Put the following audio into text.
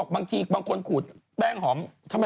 บางทีบางคนขูดแป้งหอม